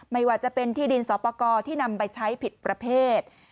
ไม่ว่าจะเป็นที่ดินสอปกรที่นำไปใช้ผิดประเภท